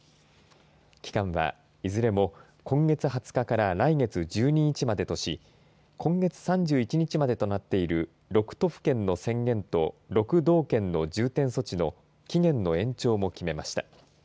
期間は、いずれも今月２０日から来月１２日までとし今月３１日までとなっている６都府県の宣言と６道県の重点措置の期限の延長も決めました。